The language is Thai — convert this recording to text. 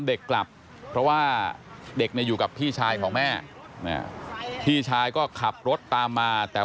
อย่าอย่าอย่าอย่าอย่าอย่าอย่าอย่าอย่าอย่าอย่าอย่าอย่าอย่า